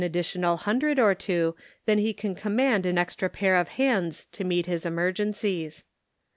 431 additional hundred or two than he can command an extra pair of hands to meet emergencies.